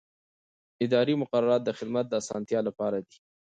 اداري مقررات د خدمت د اسانتیا لپاره دي.